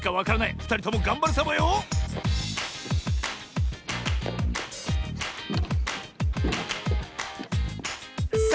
ふたりともがんばるサボよさ